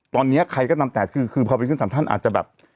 ตอนนี้ใครก็ดำแตดอาจจะแบบ